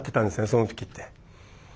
その時って。